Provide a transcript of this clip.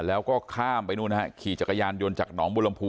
แล้วก็ข้ามไปนู่นนะฮะขี่จักรยานยนต์จากหนองบุรมภู